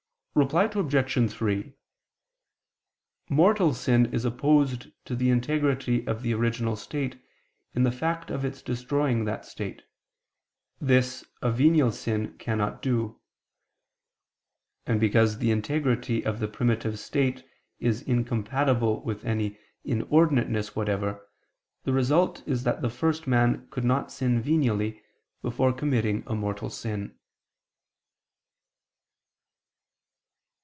Reply Obj. 3: Mortal sin is opposed to the integrity of the original state in the fact of its destroying that state: this a venial sin cannot do. And because the integrity of the primitive state is incompatible with any inordinateness whatever, the result is that the first man could not sin venially, before committing a mortal sin.